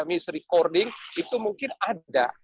mis recording itu mungkin ada